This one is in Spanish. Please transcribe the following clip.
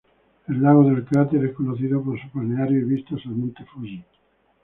El lago de cráter es conocido por sus balnearios y vistas al monte Fuji.